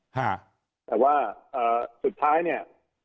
แต่ว่าอ่าสุดท้ายเนี่ย